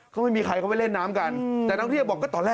คงไม่มีใครเข้าไปเล่นน้ำกันแต่น้องเรียนบอกค่ะ